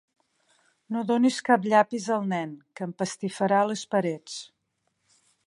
No donis cap llapis al nen, que empastifarà les parets.